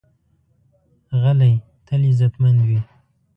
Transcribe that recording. غلی، تل عزتمند وي.